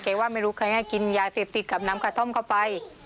ว่าไม่รู้ใครให้กินยาเสพติดกับน้ำกระท่อมเข้าไป